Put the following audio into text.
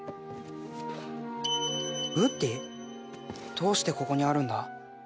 どうしてここにあるんだ？」